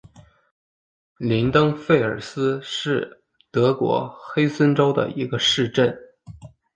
林登费尔斯是德国黑森州的一个市镇。